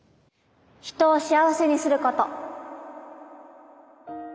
人を幸せにすること。